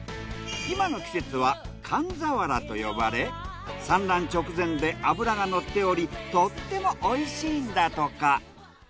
今の季節は寒ザワラと呼ばれ産卵直前で脂がのっておりとってもおいしいんだとか。